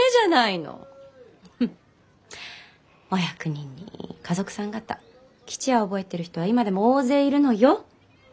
フッお役人に華族さん方吉也を覚えてる人は今でも大勢いるのよ。